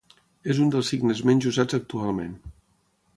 És un dels signes menys usats actualment.